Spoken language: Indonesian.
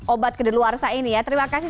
obat kedeluarsa ini ya terima kasih